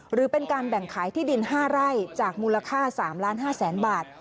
หรือเป็นการแบ่งขายที่ดิน๕ไร่จากมูลค่า๓๕๐๐๐๐บาท